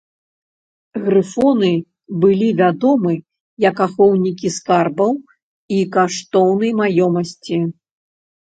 Грыфоны былі вядомы як ахоўнікі скарбаў і каштоўнай маёмасці.